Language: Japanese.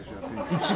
一番。